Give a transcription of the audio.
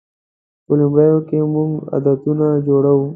په لومړیو کې موږ عادتونه جوړوو.